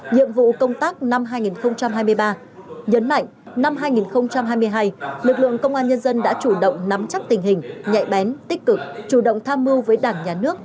nhiệm vụ công tác năm hai nghìn hai mươi ba nhấn mạnh năm hai nghìn hai mươi hai lực lượng công an nhân dân đã chủ động nắm chắc tình hình nhạy bén tích cực chủ động tham mưu với đảng nhà nước